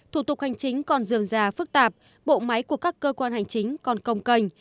thủ tục hành chính còn dườm già phức tạp bộ máy của các cơ quan hành chính còn công cành